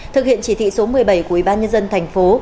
thực hiện chỉ thị số một mươi bảy của ủy ban nhân dân thành phố